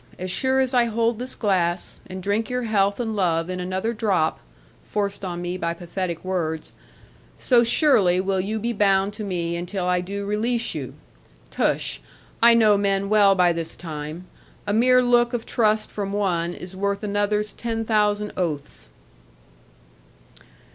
As sure as I hold this glass, and drink your health and love in another drop (forced on me by pathetic words), so surely will you be bound to me, until I do release you. Tush! I know men well by this time: a mere look of trust from one is worth another's ten thousand oaths.'